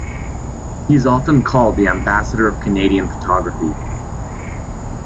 He is often called the "Ambassador of Canadian Photography".